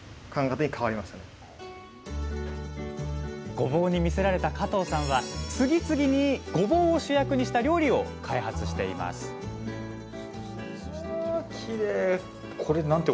ごぼうに魅せられた加藤さんは次々にごぼうを主役にした料理を開発していますうわ